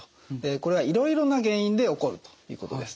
これはいろいろな原因で起こるということです。